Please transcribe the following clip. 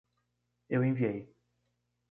Eu enviei